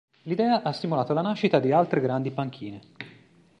L'idea ha stimolato la nascita di altre grandi panchine.